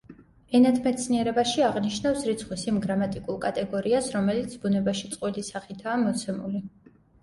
ენათმეცნიერებაში აღნიშნავს რიცხვის იმ გრამატიკულ კატეგორიას, რომელიც ბუნებაში წყვილი სახითაა მოცემული.